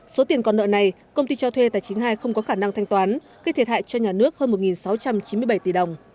số tiền còn nợ này công ty cho thuê tài chính hai không có khả năng thanh toán gây thiệt hại cho nhà nước hơn một sáu trăm chín mươi bảy tỷ đồng